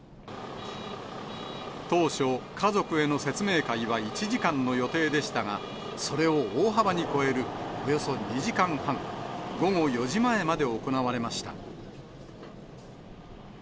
当初、家族への説明会は１時間の予定でしたが、それを大幅に超えるおよそ２時間半、午後４時前まで行われました。